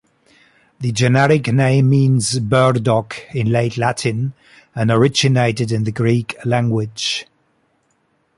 The generic name means "burdock" in late Latin and originated in the Greek language.